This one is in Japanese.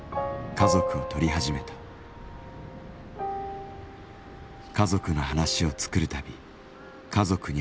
「家族の話を作るたび家族に会えなくなった。